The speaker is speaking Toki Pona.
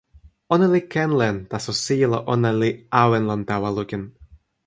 ona li ken len, taso sijelo ona li awen lon tawa lukin.